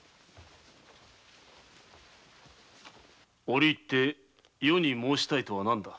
折り入って余に申したいとは何だ？